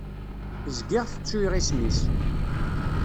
Zgiɣ tettuyeɣ isem-is.